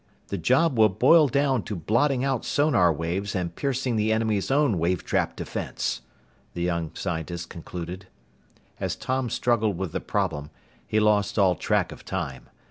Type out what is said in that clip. "The job will boil down to blotting out sonar waves and piercing the enemy's own 'wave trap defense,'" the young scientist concluded. As Tom struggled with the problem, he lost all track of time.